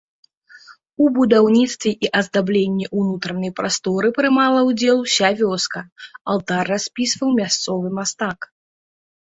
У будаўніцтве і аздабленні ўнутранай прасторы прымала ўдзел уся вёска, алтар распісваў мясцовы мастак.